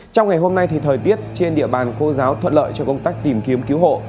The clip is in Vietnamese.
trong ngày hôm nay thì thời tiết trên địa bàn khô giáo thuận lợi cho công tác tìm kiếm cứu hộ